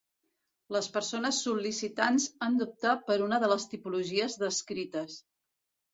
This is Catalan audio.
Les persones sol·licitants han d'optar per una de les tipologies descrites.